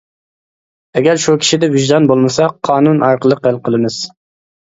ئەگەر شۇ كىشىدە ۋىجدان بولمىسا، قانۇن ئارقىلىق ھەل قىلىمىز.